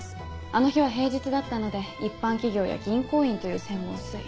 あの日は平日だったので一般企業や銀行員という線も薄い。